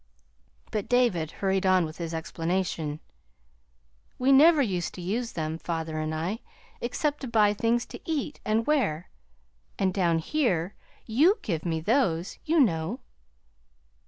But David hurried on with his explanation. "We never used to use them father and I except to buy things to eat and wear; and down here YOU give me those, you know."